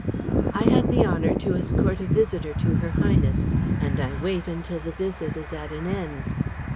"I had the honour to escort a visitor to her Highness, and I wait until the visit is at an end."